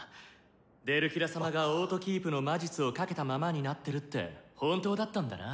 デルキラ様が完全保管の魔術をかけたままになってるって本当だったんだな。